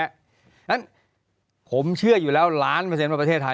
เกิดมาเป็นแพ้นั้นผมเชื่ออยู่แล้วล้านเปอร์เซ็นต์ประเทศไทย